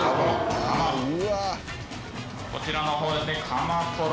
こちらの方ですねカマトロ